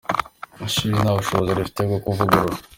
Ishuri nta bushobozi rifite bwo kuvugurura.